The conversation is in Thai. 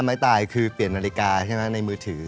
ค่ะไม้ตายคือเปลี่ยนนาฬิกาในมือถือ